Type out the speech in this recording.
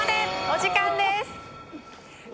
お時間です。